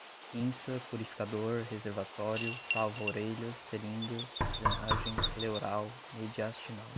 pinça, purificador, reservatório, salva-orelhas, seringa, drenagem, pleural, mediastinal